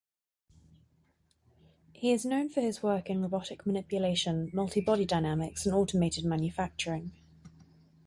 He is known for his work in robotic manipulation, multibody dynamics, and automated manufacturing.